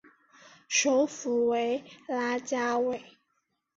首府为拉加韦。